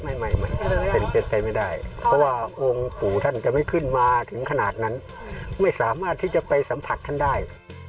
ไม่ไม่เป็นไปไม่ได้เพราะว่าองค์ปู่ท่านจะไม่ขึ้นมาถึงขนาดนั้นไม่สามารถที่จะไปสัมผัสท่านได้